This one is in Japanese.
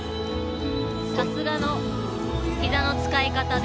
さすがの膝の使い方で。